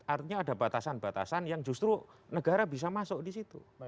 artinya ada batasan batasan yang justru negara bisa masuk di situ